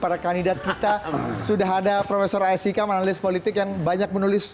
dan kita sudah ada profesor aisyikam analis politik yang banyak menulis